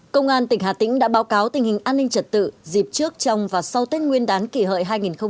công an tỉnh hà tĩnh đã báo cáo tình hình an ninh trật tự dịp trước trong và sau tết nguyên đán kỷ hợi hai nghìn một mươi chín